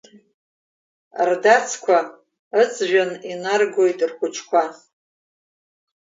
Рдацқәа ыҵжәан инаргоит рхәыҷқәа…